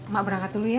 mak berangkat dulu ya